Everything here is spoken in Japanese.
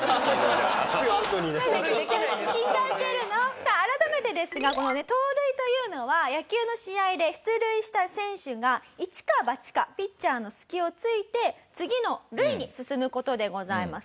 さあ改めてですがこのね盗塁というのは野球の試合で出塁した選手がイチかバチかピッチャーの隙をついて次の塁に進む事でございます。